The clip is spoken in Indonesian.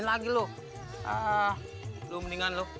nanti aku menungguqu